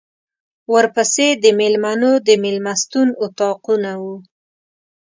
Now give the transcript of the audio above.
ورپسې د مېلمنو د مېلمستون اطاقونه وو.